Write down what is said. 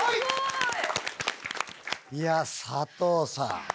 いや佐藤さん。